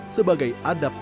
sebagai adab dan kemampuan